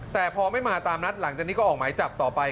แต่พอไม่มาตามนัดหลังจากนี้ก็ออกหมายจับต่อไป